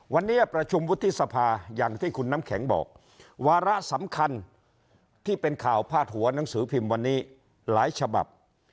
วันนี้ประชุมวุฒิสภาอย่างที่คุณน้ำแข็งบอกวาระสำคัญที่เป็นข่าวพาดหัวหนังสือพิมพ์วันนี้หลายฉบับ